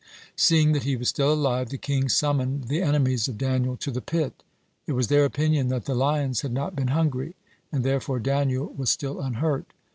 (15) Seeing that he was still alive, the king summoned the enemies of Daniel to the pit. It was their opinion that the lions had not been hungry, and therefore Daniel was still unhurt.